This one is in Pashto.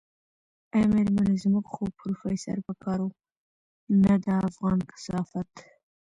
ای مېرمنې زموږ خو پروفيسر په کار و نه دا افغان کثافت.